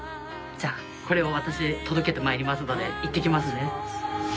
じゃあこれを私届けてまいりますので行ってきますね。